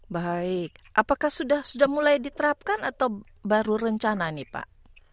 baik apakah sudah mulai diterapkan atau baru rencana nih pak